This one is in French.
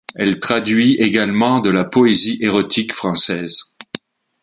Elle traduit également de la poésie érotique française.